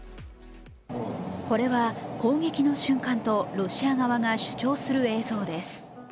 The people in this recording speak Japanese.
これは攻撃の瞬間とロシア側が主張する映像です。